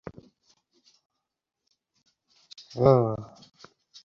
আসলে, ওটা মসৃণ মর্মর দিয়ে বানানো।